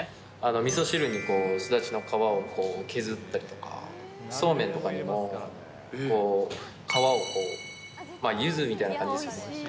みそ汁に、すだちの皮を削ったりとか、そうめんとかにも皮をゆずみたいな感じですけど。